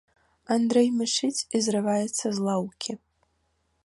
Андрэй мычыць і зрываецца з лаўкі.